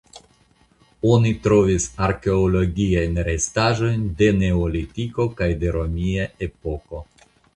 Oni trovis arkeologiajn restaĵojn de Neolitiko kaj de romia epoko.